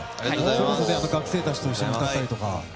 それこそ学生たちと一緒に歌ったりとか。